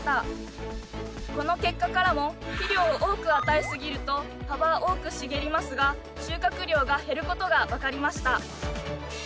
この結果からも肥料を多く与えすぎると葉は多く茂りますが収穫量が減ることが分かりました。